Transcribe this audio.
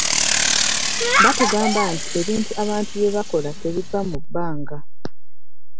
Batugamba nti ebintu abantu bye bakola tebiva mu bbanga.